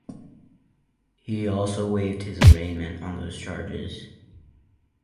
He also waived his arraignment on those charges.